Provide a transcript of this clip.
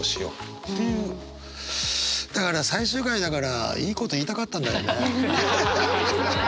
だから最終回だからいいこと言いたかったんだよね。